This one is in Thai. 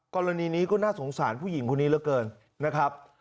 กรณีนี้ก็น่าสงสารผู้หญิงคนนี้เหลือเกินนะครับ